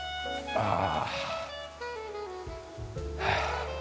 ああ。